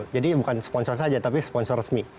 jadi bukan sponsor saja tapi sponsor resmi